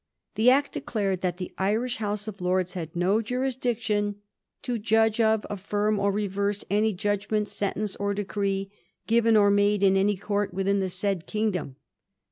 The Act declared that the Irish House of Lords had no jurisdiction * to judge of, affirm, or reverse any judgment, sentence, or decree given or made in any court within the said kingdom.'